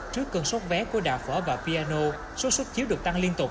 trước cơn xuất vé của đào phở và piano số xuất chiếu được tăng liên tục